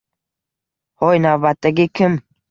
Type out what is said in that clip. Hoy, navbatdagi kim